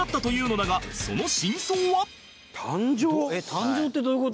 誕生ってどういう事？